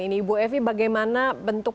ini ibu evi bagaimana bentuk